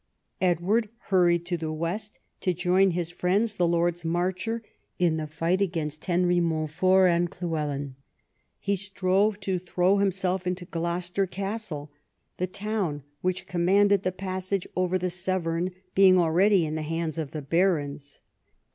Edward hurried to the west, to join his friends the Lords Marcher in the fight against Henry Montfort and Llywelyn. He strove to throw himself into Gloucester Castle, the town, which commanded the passage over the Severn, being already in the hands of the barons.